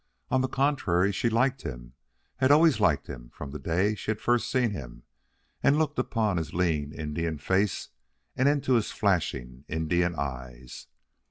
On the contrary, she liked him, had always liked him from the day she had first seen him and looked upon his lean Indian face and into his flashing Indian eyes.